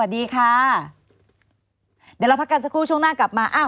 เดี๋ยวเราพักกันสักครู่ช่วงหน้ากลับมา